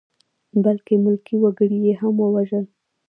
بلکې ملکي وګړي یې هم ووژل.